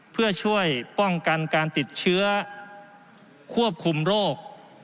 เพื่อช่วยป้องกันการติดเชื้อควบคุมโรค